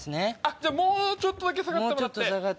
じゃあもうちょっとだけ下がってもらって。